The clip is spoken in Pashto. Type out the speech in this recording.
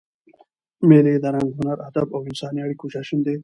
مېلې د رنګ، هنر، ادب او انساني اړیکو جشن دئ.